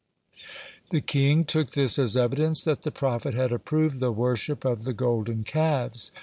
The king took this as evidence that the prophet had approved the worship of the golden calves.